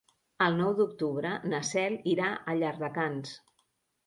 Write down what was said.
El nou d'octubre na Cel irà a Llardecans.